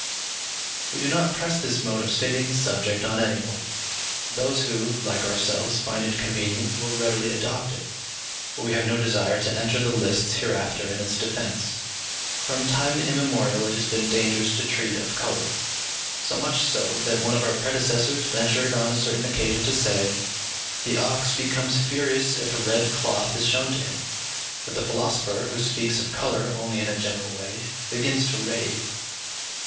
We do not press this mode of stating the subject on any one. Those who, like ourselves, find it convenient, will readily adopt it; but we have no desire to enter the lists hereafter in its defence. From time immemorial it has been dangerous to treat of colour; so much so, that one of our predecessors ventured on a certain occasion to say, "The ox becomes furious if a red cloth is shown to him; but the philosopher, who speaks of colour only in a general way, begins to rave."